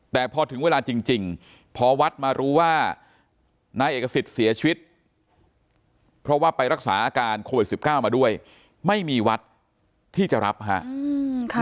แต่พอถึงเวลาจริงพอวัดมารู้ว่านายเอกสิทธิ์เสียชีวิตเพราะว่าไปรักษาอาการโควิด๑๙มาด้วยไม่มีวัดที่จะรับฮะ